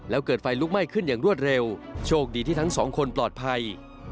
แล้วเกิดไฟลุกไหม้ขึ้นอย่างรวดเร็วโชคดีที่ทั้งสองคนปลอดภัย